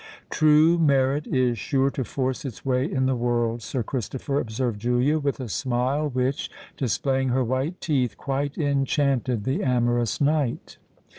"True merit is sure to force its way in the world, Sir Christopher," observed Julia, with a smile which, displaying her white teeth, quite enchanted the amorous knight.